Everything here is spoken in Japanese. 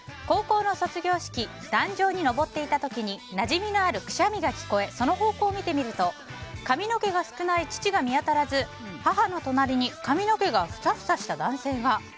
高校の卒業式壇上に上っていた時になじみのあるくしゃみが聞こえその方向を見ていると髪の毛が少ない父が見当たらず母の隣に髪の毛がふさふさした男性が。